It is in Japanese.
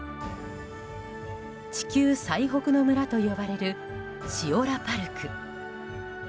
地球最北の村と呼ばれるシオラパルク。